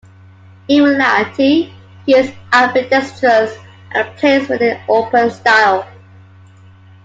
In reality, he is ambidextrous, and plays with an open style.